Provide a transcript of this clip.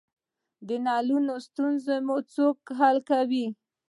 د نلونو ستونزې مو څوک حل کوی؟